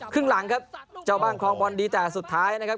ครึ่งหลังครับเจ้าบ้านคลองบอลดีแต่สุดท้ายนะครับ